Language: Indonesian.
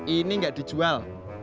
ini gak dijual